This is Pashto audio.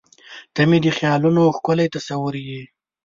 • ته مې د خیالونو ښکلی تصور یې.